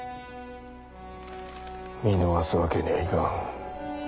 見逃すわけにはいかん。